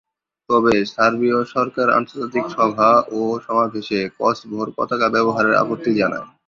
তবে, সার্বীয় সরকার আন্তর্জাতিক সভা ও সমাবেশে কসোভোর পতাকা ব্যবহারের আপত্তি জানায়।